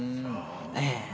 ええ。